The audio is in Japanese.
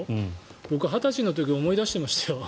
僕、２０歳の時のことを思い出しましたよ。